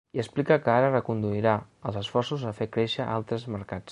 I explica que ara reconduirà els esforços a fer créixer altres mercats.